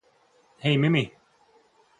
Hej Mimi!